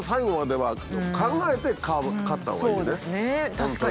確かに。